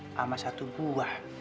sama satu buah